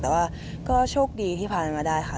แต่ว่าก็โชคดีที่ผ่านมาได้ค่ะ